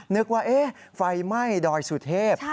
นึกว่าไฟไหม้ดอยสุเทพ